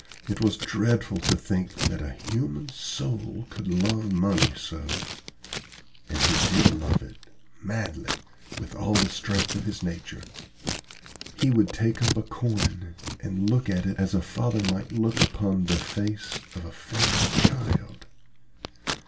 It was dreadful to think that a human soul could love money so. And he did love it madly, with all the strength of his nature. "He would take up a coin and look at it as a father might look upon the face of a favorite child.